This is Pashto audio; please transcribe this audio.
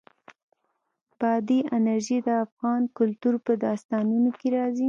بادي انرژي د افغان کلتور په داستانونو کې راځي.